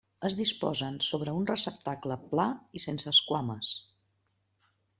Es disposen sobre un receptacle pla i sense esquames.